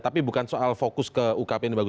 tapi bukan soal fokus ke ukp